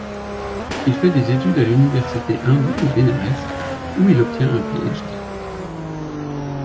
Il fait des études à l'université hindoue de Bénarès, où il obtient un Ph.D..